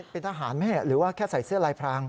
เป็นทหารไหมหรือว่าแค่ใส่เสื้อลายพราง